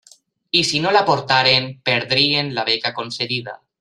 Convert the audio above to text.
I si no l'aportaren, perdrien la beca concedida.